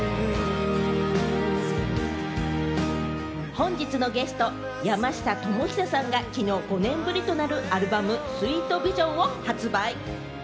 本日のゲスト・山下智久さんがきのう５年ぶりとなるアルバム『ＳｗｅｅｔＶｉｓｉｏｎ』を発売。